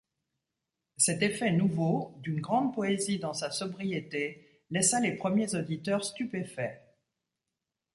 Cet effet nouveau, d'une grande poésie dans sa sobriété, laissa les premiers auditeurs stupéfaits.